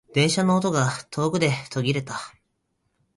電車の音が遠くで途切れた。